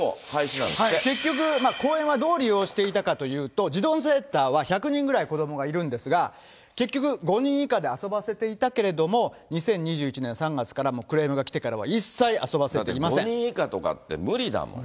結局公園はどう利用していたかというと、児童センターは１００人ぐらい子どもがいるんですが、結局５人以下で遊ばせていたけれども、２０２１年３月から、クレームが来てからは、５人以下とかって無理だもん。